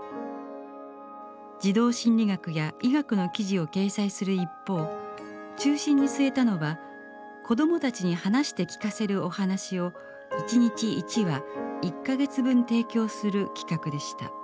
児童心理学や医学の記事を掲載する一方中心に据えたのは子どもたちに話して聞かせるお話を一日一話１か月分提供する企画でした。